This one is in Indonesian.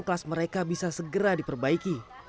kelas mereka bisa segera diperbaiki